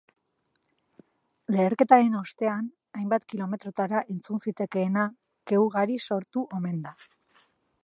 Leherketaren ostean, hainbat kilometrotara entzun zitekeena, ke ugari sortu omen da.